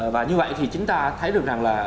và như vậy thì chúng ta thấy được rằng là